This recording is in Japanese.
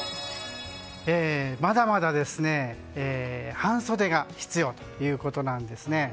まだまだ半袖が必要ということなんですね。